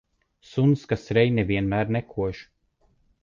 Suns, kas rej, ne vienmēr nekož.